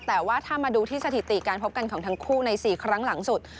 แต่ว่าถ้ามาดูที่สถิติการพบกันของทั้งคู่ใน๔ครั้งหลังสุด